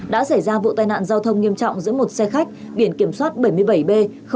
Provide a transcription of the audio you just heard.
đã xảy ra vụ tai nạn giao thông nghiêm trọng giữa một xe khách biển kiểm soát bảy mươi bảy b một nghìn chín trăm bảy mươi